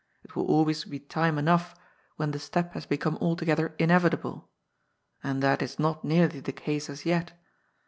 It will always be time enough, when COMPOS MENTia 145 the step has become altogether inevitable. And that is not nearly the case as yet.